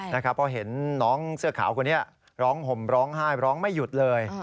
เพราะเห็นน้องเสื้อขาวคนนี้ร้องห่มร้องไห้ร้องไม่หยุดเลย